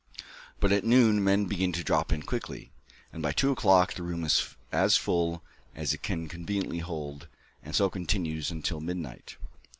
But at noon men begin to drop in quickly, and, by two o'clock, the room is as full as it can conveniently hold, and so continues until midnight.